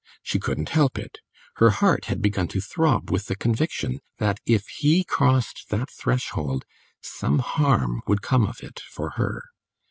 She couldn't help it; her heart had begun to throb with the conviction that if he crossed that threshold some harm would come of of it for her.